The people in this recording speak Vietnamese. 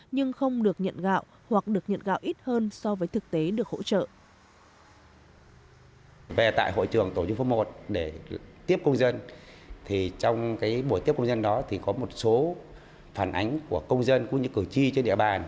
nhưng không được nhận gạo hoặc được nhận gạo ít hơn so với thực tế